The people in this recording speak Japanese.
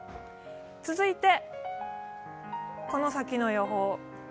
続いて、この先の予報。